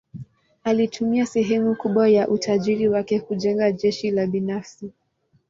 Alitumia sehemu kubwa ya utajiri wake kujenga jeshi la binafsi.